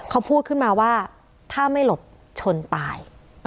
เขาพูดขึ้นมาว่าถ้าไม่หลบชนตาย